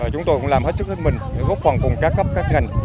chúng tôi cũng làm hết sức hết mình để góp phần cùng các cấp các ngành